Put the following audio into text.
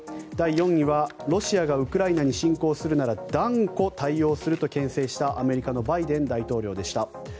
第４位は、ロシアがウクライナに侵攻するなら断固対応するとけん制したアメリカのバイデン大統領でした。